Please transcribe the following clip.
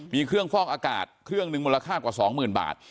มีเครื่องฟอกอากาศเครื่องหนึ่งมูลค่ากว่า๒๐๐๐บาท